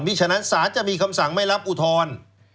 เพราะฉะนั้นศาสตร์จะมีคำสั่งไม่รับอุทธรณ์